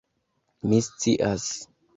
"Mi scias."